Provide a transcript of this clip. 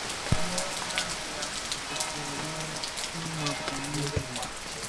Bo lamiya kibèè ki mëfombi,